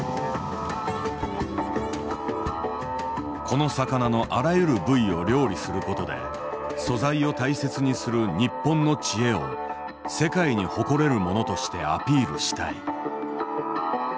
この魚のあらゆる部位を料理する事で素材を大切にする日本の知恵を世界に誇れるものとしてアピールしたい。